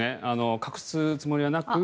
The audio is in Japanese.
隠すつもりはなく。